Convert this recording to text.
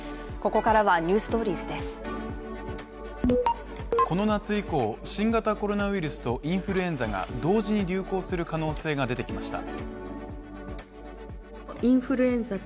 この夏以降、新型コロナウイルスとインフルエンザが同時に流行する可能性が出てきました。